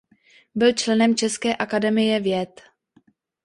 Byl členem České akademie věd.